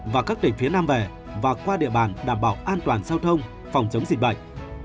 và các tỉnh phía nam về và qua địa bàn đảm bảo an toàn giao thông phòng chống dịch bệnh